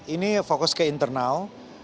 ini fokus ke internal